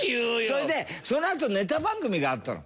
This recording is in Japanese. それでそのあとネタ番組があったの。